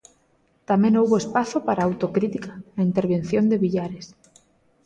Tamén houbo espazo para a autocrítica na intervención de Villares.